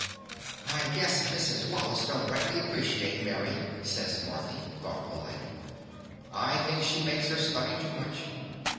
'1 guess Mrs. Wallace don't rightly appreciate May," says Marthy, thoughtful like. "I thinks she makes her study too much.